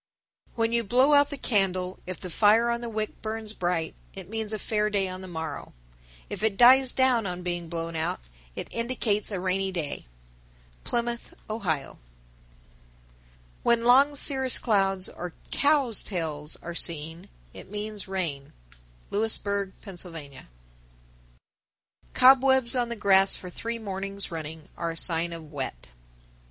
When you blow out the candle, if the fire on the wick burns bright, it means a fair day on the morrow; if it dies down on being blown out, it indicates a rainy day. Plymouth, O. 1007. When long cirrus clouds or "cow's tails" are seen, it means rain. Lewisburg, Pa. 1008. Cobwebs on the grass for three mornings running are a sign of wet.